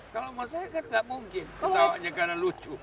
kalau mas saya kan nggak mungkin ketawanya karena lucu